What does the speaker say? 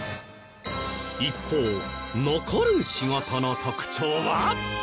一方残る仕事の特徴は？